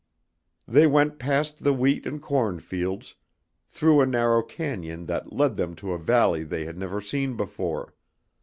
They went past the wheat and corn fields, through a narrow cañon that led them to a valley they had never seen before.